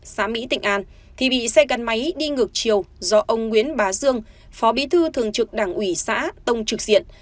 xã mỹ tịnh an thì bị xe gắn máy đi ngược chiều do ông nguyễn bá dương phó bí thư thường trực đảng ủy xã tông trực diện